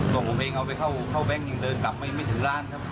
ของผมเองเอาไปเข้าแบงค์ยังเดินกลับไม่ถึงร้านครับ